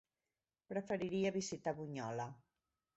Preferiria visitar Bunyola.